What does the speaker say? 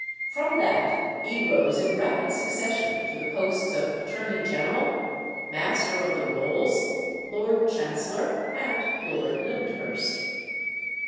From that he rose in rapid succession, to the posts of Attorney General, Master of the Rolls, Lord Chancellor, and Lord Lyndhurst.